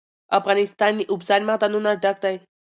افغانستان له اوبزین معدنونه ډک دی.